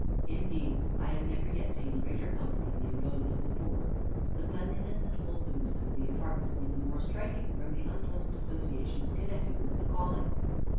Indeed, I have never yet seen greater comfort in the abodes of the poor. The cleanliness and wholesomeness of the apartment were the more striking from the unpleasant associations connected with the calling.